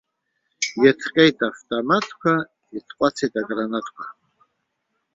Иҭҟьеит автоматқәа, итҟәацит агранатқәа.